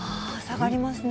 下がりますね。